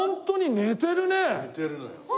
寝てるのよ。